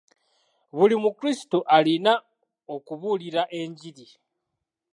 Buli mukrisitu alina okubuulira enjiri.